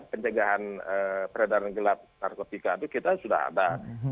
pencegahan peredaran gelap narkotika itu kita sudah ada